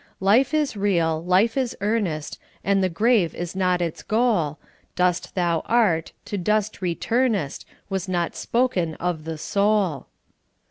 ''" Life is real, Hfe is earnest. And the grave is not its goal, . Dust thou art, to dust returnest. Was not spoken of the soul."